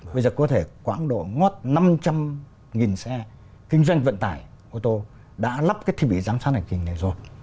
bây giờ có thể quãng độ ngót năm trăm linh xe kinh doanh vận tải ô tô đã lắp cái thiết bị giám sát hành trình này rồi